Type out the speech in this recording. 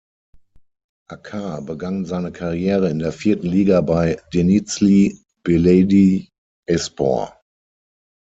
Acar begann seine Karriere in der vierten Liga bei Denizli Belediyespor.